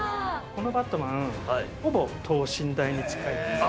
◆このバットマン、ほぼ等身大に近いです。